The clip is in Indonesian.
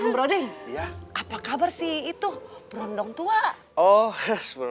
brody apa kabar sih itu berondong tua oh